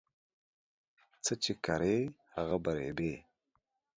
څه چې کرې هغه به ریبې